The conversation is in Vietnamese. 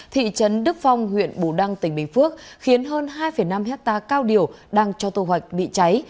thị trấn đức phong huyện bù đăng tỉnh bình phước khiến hơn hai năm hectare cao điều đang cho tô hoạch bị cháy